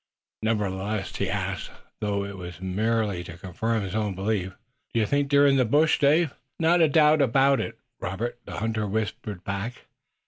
Nevertheless he asked, though it was merely to confirm his own belief. "Do you think they're in the brush, Dave?" "Not a doubt of it, Robert," the hunter whispered back.